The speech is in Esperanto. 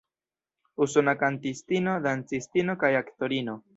Usona kantistino, dancistino kaj aktorino.